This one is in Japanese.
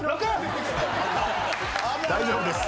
大丈夫です。